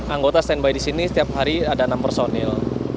anggota standby di sini setiap hari ada enam personil